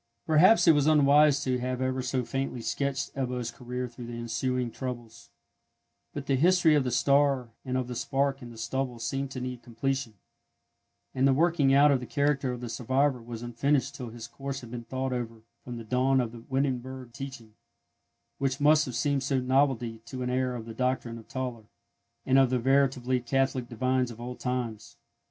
Perhaps it was unwise to have ever so faintly sketched Ebbo's career through the ensuing troubles; but the history of the star and of the spark in the stubble seemed to need completion; and the working out of the character of the survivor was unfinished till his course had been thought over from the dawn of the Wittenberg teaching, which must have seemed no novelty to an heir of the doctrine of Tauler, and of the veritably Catholic divines of old times.